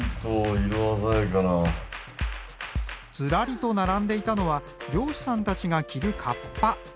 ずらりと並んでいたのは漁師さんたちが着るカッパ。